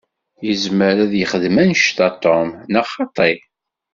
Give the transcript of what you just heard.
Izmer ad yexdem annect-a Tom, neɣ xaṭi?